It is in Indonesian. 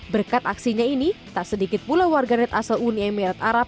berkat aksinya ini tak sedikit pula warganet asal uni emirat arab